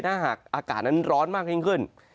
ถ้าหากอากาศนั้นร้อนมากยิ่งขึ้น